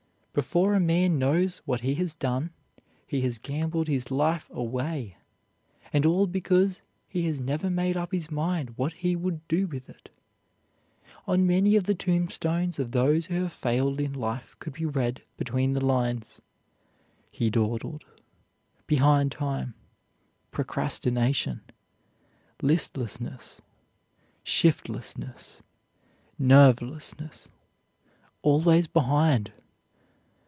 Before a man knows what he has done, he has gambled his life away, and all because he has never made up his mind what he would do with it. On many of the tombstones of those who have failed in life could be read between the lines: "He Dawdled," "Behind Time," "Procrastination," "Listlessness," "Shiftlessness," "Nervelessness," "Always Behind."